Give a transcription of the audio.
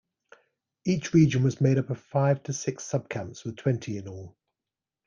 Each region was made up of five to six subcamps, with twenty in all.